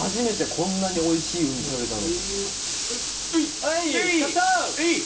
こんなにおいしいウニ食べたの。